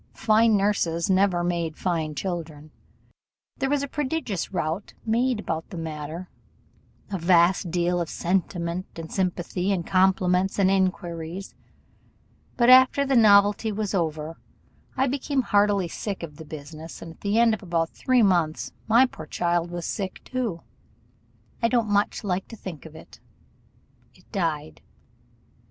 Fine nurses never made fine children. There was a prodigious rout made about the matter; a vast deal of sentiment and sympathy, and compliments and inquiries; but after the novelty was over, I became heartily sick of the business; and at the end of about three months my poor child was sick too I don't much like to think of it it died.